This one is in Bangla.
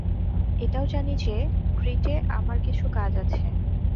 এটাও জানি যে ক্রিটে আমার কিছু কাজ আছে।